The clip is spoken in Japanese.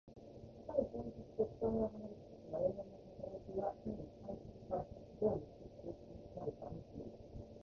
かかる行為的直観を離れた時、我々の働きは単に機械的か合目的的たるかに過ぎない。